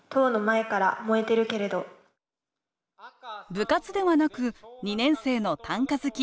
部活ではなく２年生の短歌好き